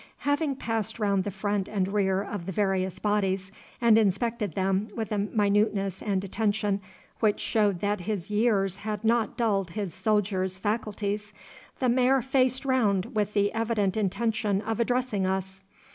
Having passed round the front and rear of the various bodies, and inspected them with a minuteness and attention which showed that his years had not dulled his soldier's faculties, the Mayor faced round with the evident intention of addressing us.